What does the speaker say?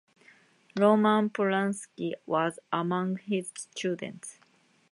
Roman Polanski was among his students.